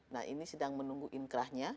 nah ini sedang menunggu inkrahnya